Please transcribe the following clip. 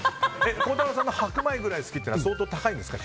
孝太郎さんの白米ぐらい好きっていうのは高いんですか？